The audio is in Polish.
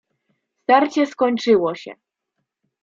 "Starcie skończyło się."